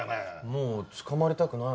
もう。